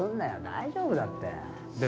大丈夫だって。